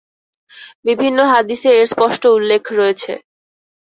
বিভিন্ন হাদীসে এর স্পষ্ট উল্লেখ রয়েছে।